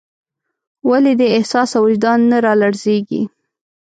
ولې دې احساس او وجدان نه رالړزېږي.